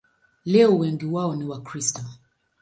Leo wengi wao ni Wakristo.